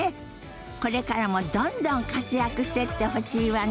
これからもどんどん活躍してってほしいわね。